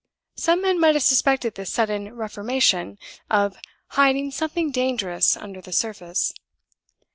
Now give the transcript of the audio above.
Some men might have suspected this sudden reformation of hiding something dangerous under the surface.